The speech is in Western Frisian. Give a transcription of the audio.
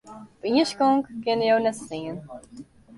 Op ien skonk kinne jo net stean.